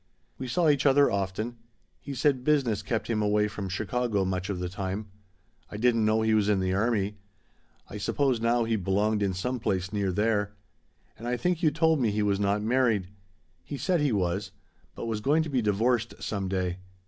"We saw each other often. He said business kept him away from Chicago much of the time. I didn't know he was in the army; I suppose now he belonged in some place near there. And I think you told me he was not married. He said he was but was going to be divorced some day.